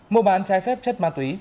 mua bán trái phép chất ma túy